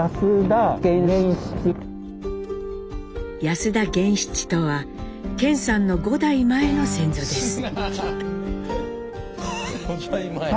安田源七とは顕さんの５代前の先祖です。